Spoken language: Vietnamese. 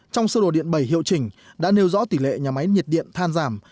trong sơ đồ điện bảy hiệu chỉnh đã nêu rõ tỷ lệ nhà máy nhiệt điện than giảm